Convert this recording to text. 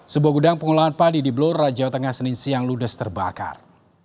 sebuah gudang pengolahan padi di blora jawa tengah senin siang ludes terbakar